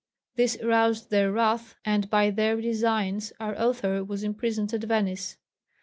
This roused their wrath, and by their designs our author was imprisoned at Venice.